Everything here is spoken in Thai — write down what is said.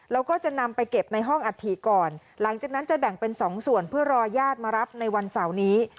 แล้วก็จะนำไปเก็บในห้องอัฐิก่อนหลังจากนั้นจะแบ่งเป็นสองส่วนเพื่อรอญาติมารับในวันเสาร์นี้